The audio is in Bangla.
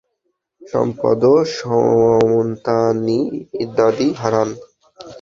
সম্পদ ও সন্তানাদি হারান।